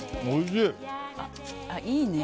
いいね。